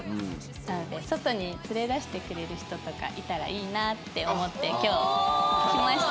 なので外に連れ出してくれる人とかいたらいいなって思って今日来ました。